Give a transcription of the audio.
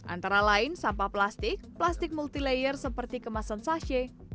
antara lain sampah plastik plastik multilayer seperti kemasan sachet